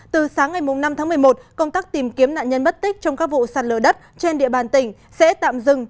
từ sáng ngày năm tháng một mươi một công tác tìm kiếm nạn nhân mất tích trong các vụ sạt lở đất trên địa bàn tỉnh sẽ tạm dừng